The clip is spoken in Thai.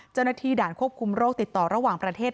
เจ้าหน้าที่ด่านควบคุมโรคติดต่อระหว่างประเทศ